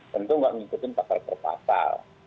tentu nggak ngikutin pasal per pasal